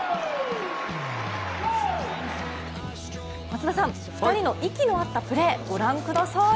松田さん、２人の息の合ったプレー御覧ください。